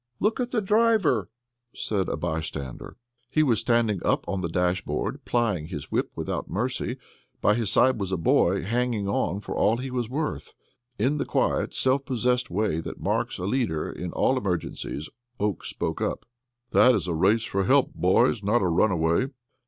"Look at the driver," said a by stander. He was standing up on the dashboard plying his whip without mercy. By his side was a boy, hanging on for all he was worth. In the quiet, self possessed way that marks a leader in all emergencies, Oakes spoke up: "That is a race for help, boys, not a runaway."